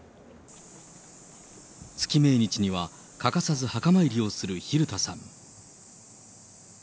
月命日には欠かさず墓参りをする蛭田さん。